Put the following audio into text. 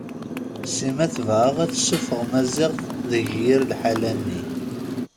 Sima tebɣa ad tessuffeɣ Maziɣ deg yir liḥala-nni.